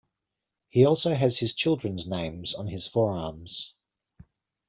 He also has his children's names on his forearms.